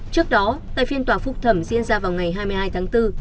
trước đó tại phiên tòa phúc thẩm diễn ra vào ngày hai mươi hai tháng bốn